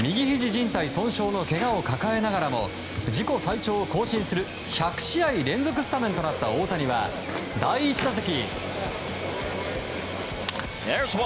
じん帯損傷のけがを抱えながらも自己最長を更新する１００試合連続スタメンとなった大谷は第１打席。